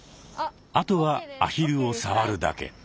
あとはアヒルを触るだけ。